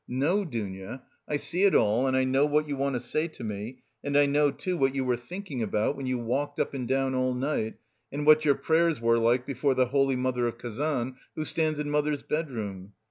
No, Dounia, I see it all and I know what you want to say to me; and I know too what you were thinking about, when you walked up and down all night, and what your prayers were like before the Holy Mother of Kazan who stands in mother's bedroom.